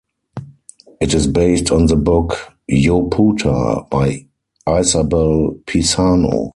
It is based on the book "Yo puta" by Isabel Pisano.